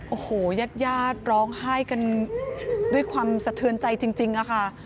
โอ้โหญาติญาติร้องไห้กันด้วยความสะเทือนใจจริงค่ะ